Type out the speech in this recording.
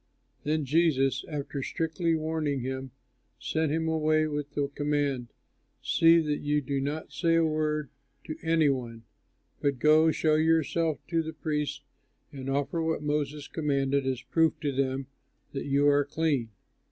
Then Jesus, after strictly warning him, sent him away with the command, "See that you do not say a word to any one, but go, show yourself to the priest and offer what Moses commanded as proof to them that you are clean."